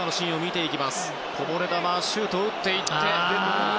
こぼれ球シュートを打っていって。